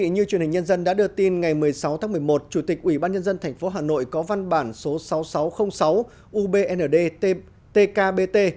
như truyền hình nhân dân đã đưa tin ngày một mươi sáu tháng một mươi một chủ tịch ủy ban nhân dân tp hà nội có văn bản số sáu nghìn sáu trăm linh sáu ubnd tkbt